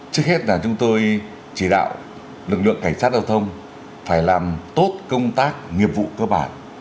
trước hết là chúng tôi chỉ đạo lực lượng cảnh sát giao thông phải làm tốt công tác nghiệp vụ cơ bản